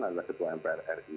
adalah ketua mpr ri